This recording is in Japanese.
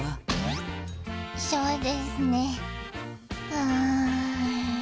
うん。